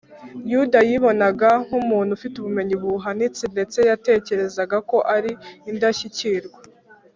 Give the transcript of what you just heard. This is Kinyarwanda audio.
yuda yibonaga nk’umuntu ufite ubumenyi buhanitse, ndetse yatekerezaga ko ari indashyikirwa